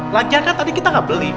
lanjakan tadi kita nggak beli